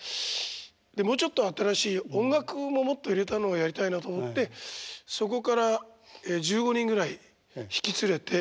でもうちょっと新しい音楽ももっと入れたのをやりたいなと思ってそこから１５人ぐらい引き連れて。